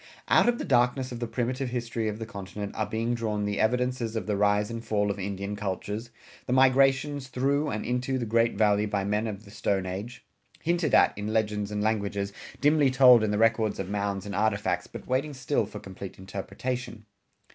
Out of the darkness of the primitive history of the continent are being drawn the evidences of the rise and fall of Indian cultures, the migrations through and into the great Valley by men of the Stone Age, hinted at in legends and languages, dimly told in the records of mounds and artifacts, but waiting still for complete interpretation.